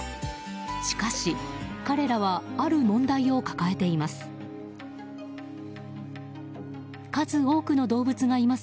しかし、彼らはある問題を抱えています。